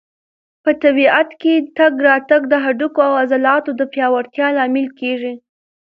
په طبیعت کې تګ راتګ د هډوکو او عضلاتو د پیاوړتیا لامل کېږي.